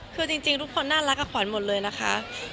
คือจริงทุกคนน่ารักกับขวัญหมดเลยนะคะ